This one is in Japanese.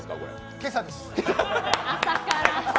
今朝です。